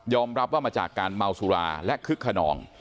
รับว่ามาจากการเมาสุราและคึกขนอง